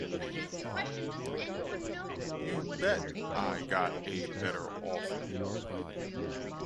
You bet I've got a better offer.